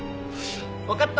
わかった。